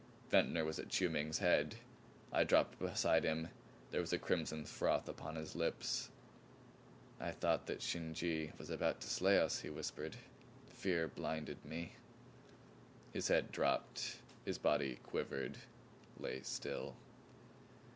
Ventnor was at Chiu Ming's head; I dropped beside him. There was a crimson froth upon his lips. "I thought that Shin Je was about to slay us," he whispered. "Fear blinded me." His head dropped; his body quivered, lay still.